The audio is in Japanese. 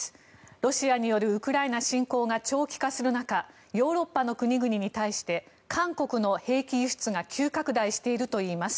ロシアによるウクライナ侵攻が長期化する中ヨーロッパの国々に対して韓国の兵器輸出が急拡大しているといいます。